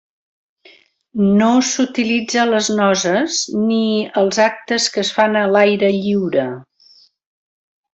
No s'utilitza a les noces ni als actes que es fan a l'aire lliure.